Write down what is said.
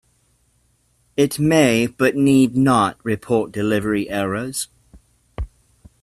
It may, but need not, report delivery errors.